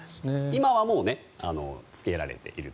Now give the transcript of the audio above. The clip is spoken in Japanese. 今はもうつけられていると。